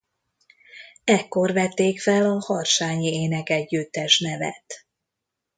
Ekkor vették fel a Harsányi-énekegyüttes nevet.